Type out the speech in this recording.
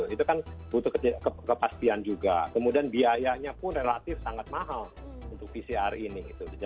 itu kan butuh kepastian juga kemudian biayanya pun relatif sangat mahal untuk pcr ini